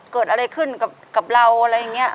เกิดอะไรขึ้นกับเราอะไรอย่างนี้